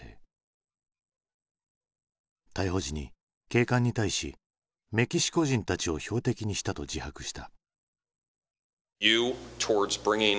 逮捕時に警官に対しメキシコ人たちを標的にしたと自白した。